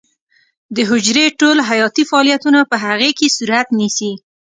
د حجرې ټول حیاتي فعالیتونه په هغې کې صورت نیسي.